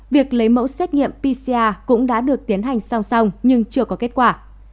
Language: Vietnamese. việc lấy mẫu xét nghiệm pcr cũng đã được tiến hành song song nhưng chưa có kết quả